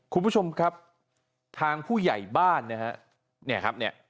คุณผู้ชมครับทางผู้ใหญ่บ้านนี่ครับ